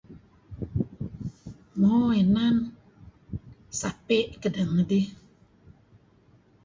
Mo inan, sapi' kedeh ngidih.